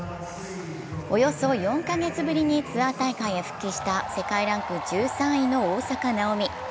およそ４カ月ぶりにツアー大会へ復帰した世界ランク１３位の大坂なおみ。